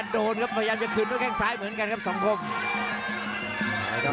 โดนครับพยายามจะคืนด้วยแข้งซ้ายเหมือนกันครับสองคม